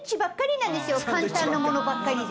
簡単なものばっかりで。